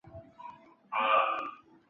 清顺治二年至扬州。